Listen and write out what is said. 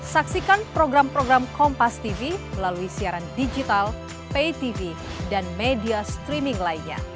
saksikan program program kompastv melalui siaran digital paytv dan media streaming lainnya